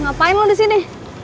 ngapain lo disini